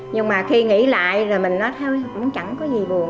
nhưng mà khi nghĩ lại rồi mình nói chẳng có gì buồn